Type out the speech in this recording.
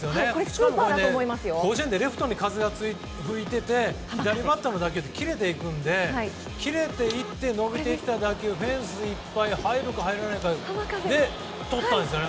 しかも、甲子園でレフトに風が吹いてて左バッターの打球って切れていくんで切れていって伸びてきた打球フェンスいっぱい入るか入らないかでとったんですよね！